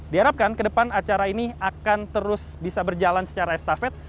diharapkan ke depan acara ini akan terus bisa berjalan secara estafet